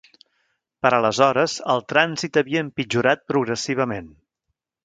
Per aleshores, el trànsit havia empitjorat progressivament.